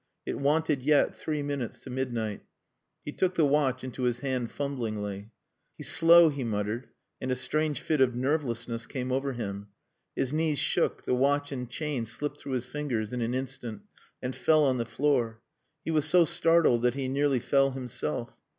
It wanted yet three minutes to midnight. He took the watch into his hand fumblingly. "Slow," he muttered, and a strange fit of nervelessness came over him. His knees shook, the watch and chain slipped through his fingers in an instant and fell on the floor. He was so startled that he nearly fell himself.